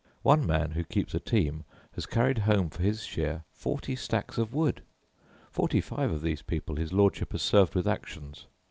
One man, who keeps a team, has carried home, for his share, forty stacks of wood. Forty five of these people his lordship has served with actions.